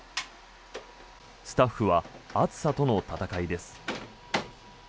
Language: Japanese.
スタッフは暑さとの闘いです。